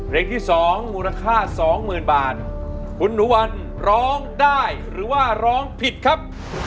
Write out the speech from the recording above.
ที่สองมูลค่าสองหมื่นบาทคุณหนูวันร้องได้หรือว่าร้องผิดครับ